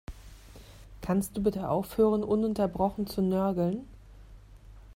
Kannst du bitte aufhören, ununterbrochen zu nörgeln?